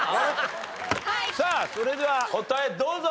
さあそれでは答えどうぞ。